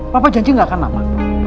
papa janji gak akan lama